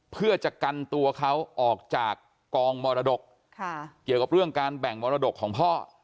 เพื่อจะกันตัวเขาออกจากกองมรดกเกี่ยวกับเรื่องการแบ่งมรดกของพ่อ